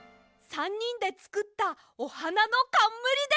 ３にんでつくったおはなのかんむりです！